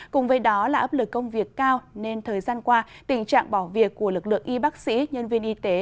cùng với đó là áp lực công việc cao nên thời gian qua tình trạng bỏ việc của lực lượng y bác sĩ nhân viên y tế